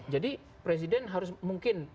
jadi presiden harus mungkin